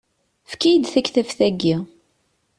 Efk-iyi-d taktabt-agi.